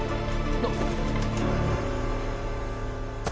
あっ。